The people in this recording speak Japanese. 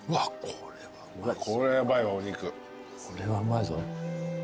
これはうまいぞ。